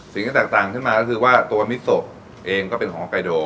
แตกต่างขึ้นมาก็คือว่าตัวมิโซเองก็เป็นของฮอกไกโด